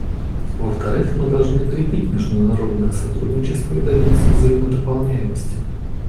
Во-вторых, мы должны крепить международное сотрудничество и добиться взаимодополняемости.